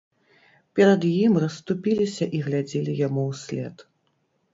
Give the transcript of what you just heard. Перад ім расступіліся і глядзелі яму ўслед.